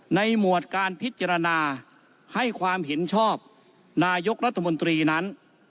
หมวดการพิจารณาให้ความเห็นชอบนายกรัฐมนตรีนั้น